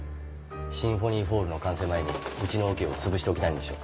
シンフォニーホールの完成前にうちのオケを潰しておきたいんでしょう。